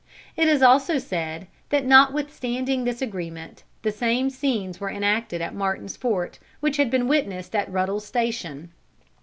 It is also said that notwithstanding this agreement, the same scenes were enacted at Martin's Fort which had been witnessed at Ruddle's Station.